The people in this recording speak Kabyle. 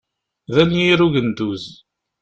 D anyir ugenduz.